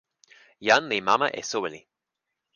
jan li mama e soweli.